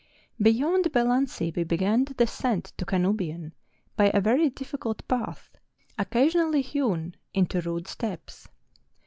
" Beyond Belansi we began the descent to Canubin by a very difficult path, occasionally hewn into rude steps.